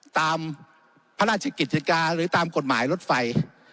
ตามพระราชกิจกาหรือตามกฎหมายรถไฟ